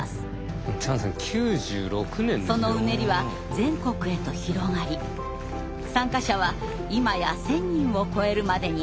そのうねりは全国へと広がり参加者は今や１，０００人を超えるまでになりました。